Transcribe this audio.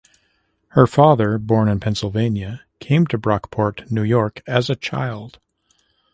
Her father, born in Pennsylvania, came to Brockport, New York, as a child.